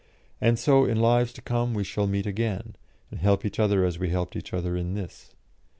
And so in lives to come we shall meet again, and help each other as we helped each other in this.